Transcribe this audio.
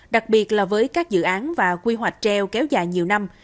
đặc biệt là với các dự án và quy hoạch treo kéo dài nhiều năm